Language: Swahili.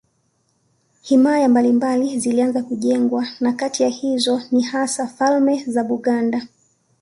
Himaya mbalimbali zilianza kujengwa na kati ya hizo ni hasa falme za Buganda